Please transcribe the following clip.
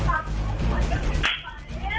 จับมับเขาให้